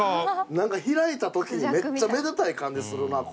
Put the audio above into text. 何か開いた時にめっちゃめでたい感じするな。